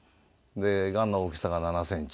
がんの大きさが７センチ。